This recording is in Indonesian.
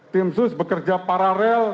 tim sus bekerja paralel